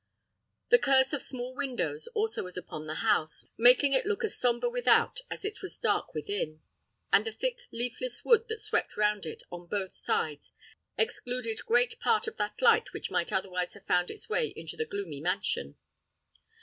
The curse of small windows also was upon the house, making it look as sombre without as it was dark within, and the thick leafless wood that swept round it on both sides excluded great part of that light which might otherwise have found its way into the gloomy mansion.